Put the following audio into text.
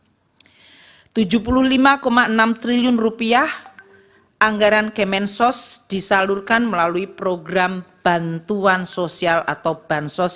rp tujuh puluh lima enam triliun anggaran kemensos disalurkan melalui program bantuan sosial atau bansos